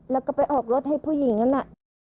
แล้วก็ไปออกรถให้ผู้หญิงนั้นน่ะ